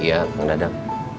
iya bang dadam